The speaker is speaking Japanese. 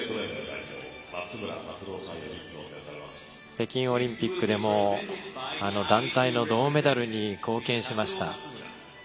北京オリンピックでも団体の銅メダルに貢献しました。